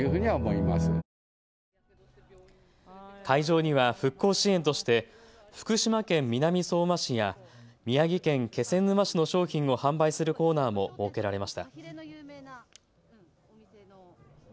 会場には復興支援として福島県南相馬市や宮城県気仙沼市の商品を販売するコーナーも設けられました。